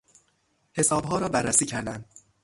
حسابها را بررسی کردن